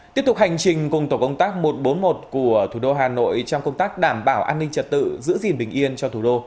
tiếp tục hành trình cùng tổ công tác một trăm bốn mươi một của thủ đô hà nội trong công tác đảm bảo an ninh trật tự giữ gìn bình yên cho thủ đô